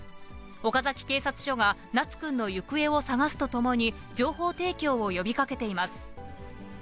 岡崎警察署が名都君の行方を捜すとともに、情報提供を呼びかけています。